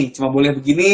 cuma boleh begini